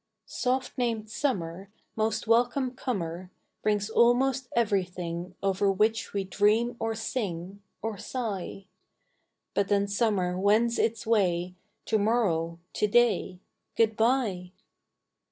Soft named Summer, Most welcome comer, Brings almost everything Over which we dream or sing Or sigh ; But then Summer wends its way, To morrow, — to day, — Good bye